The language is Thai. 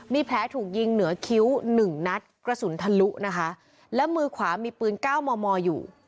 มีแผลถูกยิงเหนือคิ้วหนึ่งนัดกระสุนทะลุนะคะแล้วมือขวามีปืนเก้ามอมออยู่